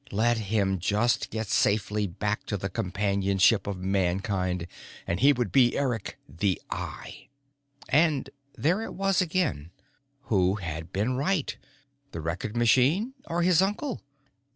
Let him just get safely back to the companionship of Mankind and he would be Eric the Eye. And there it was again: who had been right, the Record Machine or his uncle?